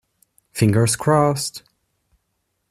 Fingers crossed!